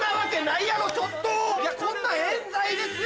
いやこんなん冤罪ですよ！